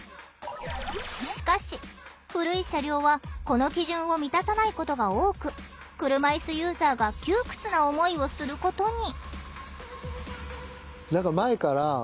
しかし古い車両はこの基準を満たさないことが多く車いすユーザーが窮屈な思いをすることに。